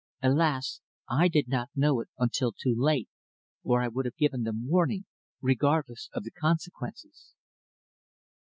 Alas! I did not know it until too late, or I would have given them warning, regardless of the consequences."